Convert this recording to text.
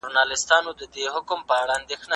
هغه نجلۍ چې په جومات کې وه، اوس خپل کور ته لاړه.